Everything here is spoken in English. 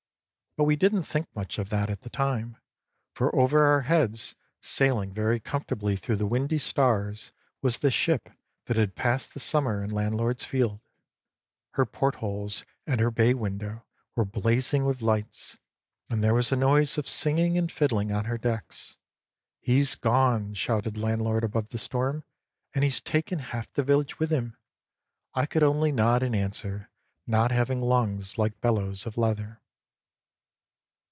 But we didn't think much of that at the time ; for over our heads, sailing very comfortably through the windy stars, was the ship that had passed the summer in landlord's field. Her portholes and her bay window were blazing with lights, and there was a noise of singing and fiddling on her decks. " He's gone" shouted landlord above the storm, " and he's taken half the village with him!" I could only nod in answer, not having lungs like bellows of leather.